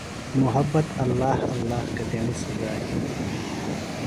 محبت ﷲ ﷲ کتیݨی سزا ہِنیۡ۔